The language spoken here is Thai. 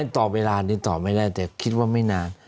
ต่อเวลานี้ต่อไม่ได้แต่คิดว่าไม่นาน